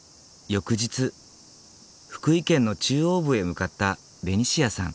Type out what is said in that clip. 翌日福井県の中央部へ向かったベニシアさん。